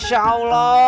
masih belum lacer